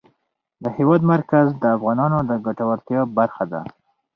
د هېواد مرکز د افغانانو د ګټورتیا برخه ده.